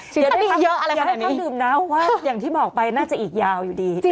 ชิบคดีเยอะอะไรขนาดนี้เนี่ยถ้าดื่มน้ำอย่างที่บอกไปน่าจะอีกยาวอยู่ดี